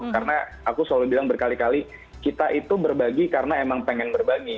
karena aku selalu bilang berkali kali kita itu berbagi karena emang pengen berbagi